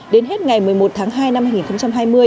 đến hết ngày một mươi một tháng hai năm hai nghìn hai mươi